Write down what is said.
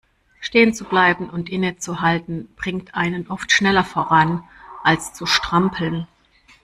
Stehen zu bleiben und innezuhalten bringt einen oft schneller voran, als zu strampeln.